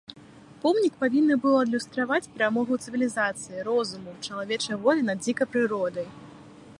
Помнік павінны быў адлюстроўваць перамогу цывілізацыі, розуму, чалавечай волі над дзікай прыродай.